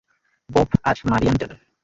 Bob আর Marian Taylor.